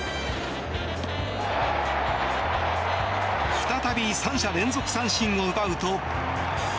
再び３者連続三振を奪うと。